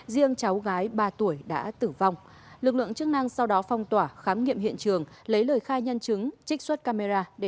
riêng cháu gái ba tuổi đã tử vong lực lượng chức năng sau đó phong tỏa khám nghiệm hiện trường lấy lời khai nhân chứng trích xuất camera để điều tra nguyên nhân